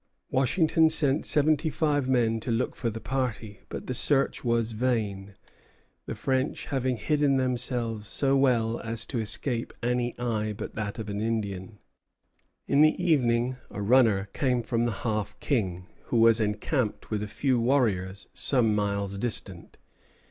Washington sent seventy five men to look for the party; but the search was vain, the French having hidden themselves so well as to escape any eye but that of an Indian. In the evening a runner came from the Half King, who was encamped with a few warriors some miles distant.